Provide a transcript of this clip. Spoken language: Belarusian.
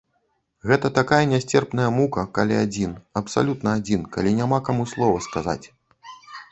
Гэта такая нясцерпная мука, калі адзін, абсалютна адзін, калі няма каму слова сказаць.